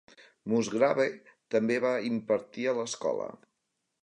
Musgrave també va impartir a l'escola.